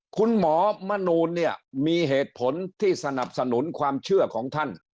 คุณหมอมนูลเนี่ยมีเหตุผลที่สนับสนุนความเชื่อของท่าน